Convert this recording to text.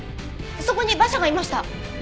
そこに馬車がいました！